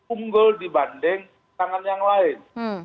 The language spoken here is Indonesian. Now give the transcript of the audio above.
untuk menangani tangan yang lain